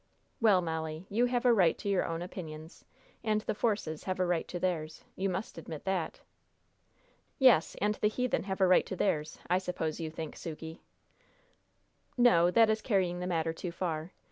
"Well, Molly, you have a right to your own opinions, and the Forces have a right to theirs. You must admit that!" "Yes; and the heathen have a right to theirs, I suppose you think, Sukey." "No; that is carrying the matter too far.